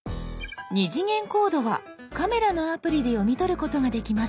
「２次元コード」はカメラのアプリで読み取ることができます。